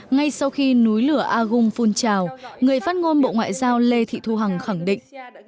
ngay sau khi núi lửa agung phun trào người phát ngôn bộ ngoại giao lê thị thu hằng khẳng định